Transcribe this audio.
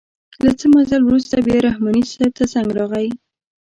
له څه مزل وروسته بیا رحماني صیب ته زنګ راغئ.